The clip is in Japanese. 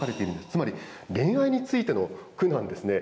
つまり、恋愛についての句なんですね。